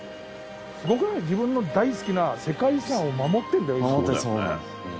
自分の大好きな世界遺産を守ってるんだよ。